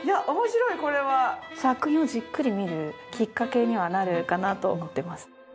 作品をじっくり見るきっかけにはなるかなと思ってます。